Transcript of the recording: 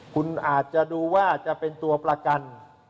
คุณอาจจะดูว่าจะเป็นตัวประกัน